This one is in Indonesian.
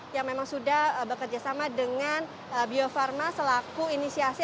yang memang sudah bekerjasama dengan bio farma selaku inisiasi